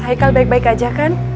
haikal baik baik aja kan